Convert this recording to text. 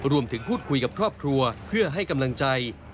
รวมถึงพูดคุยกับครอบครัวเพื่อให้กำลังใจ